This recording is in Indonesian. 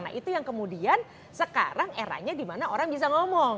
nah itu yang kemudian sekarang eranya dimana orang bisa ngomong